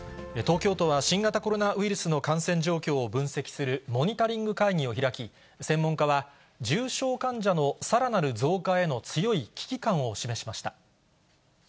東京都は新型コロナウイルスの感染状況を分析するモニタリング会議を開き、専門家は、重症患者のさらなる増加への強い危機感を示しました。